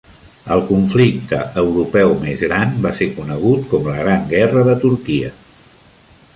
El conflicte europeu més gran va ser conegut com la Gran Guerra de Turquia.